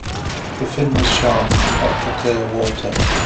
The fin was sharp and cut the clear water.